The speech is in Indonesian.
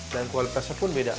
dan kualitasnya pun beda